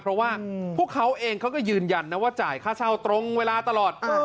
เพราะว่าพวกเขาเองเขาก็ยืนยันนะว่าจ่ายค่าเช่าตรงเวลาตลอด